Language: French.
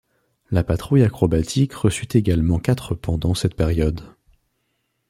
La patrouille acrobatique reçut également quatre pendant cette période.